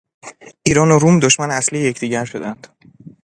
ایران و روم دشمن اصلی یکدیگر شدند.